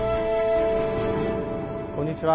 こんにちは。